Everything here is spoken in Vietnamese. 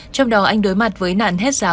trong đó anh đối mặt với nạn hết giá